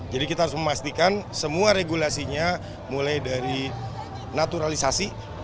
kita harus memastikan semua regulasinya mulai dari naturalisasi